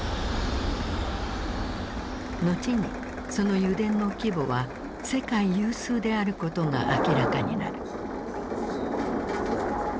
後にその油田の規模は世界有数であることが明らかになる。